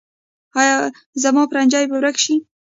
ایا زما پرنجی به ورک شي؟